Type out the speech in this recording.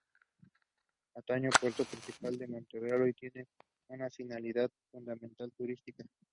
Antaño puerto principal de Montreal, hoy tiene una finalidad fundamentalmente turística.